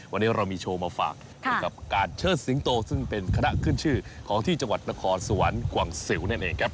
วันนี้เรามีโชว์มาฝากกับการเชิดสิงโตซึ่งเป็นคณะขึ้นชื่อของที่จังหวัดนครสวรรค์กวังสิวนั่นเองครับ